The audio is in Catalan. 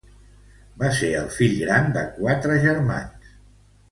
Va ser el fill gran de quatre germans.